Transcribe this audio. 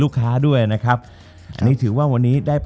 จบการโรงแรมจบการโรงแรม